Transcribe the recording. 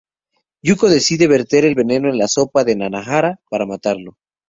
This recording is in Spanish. Yuko decide verter el veneno en la sopa de Nanahara para matarlo.